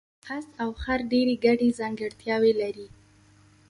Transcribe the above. اس او خر ډېرې ګډې ځانګړتیاوې لري.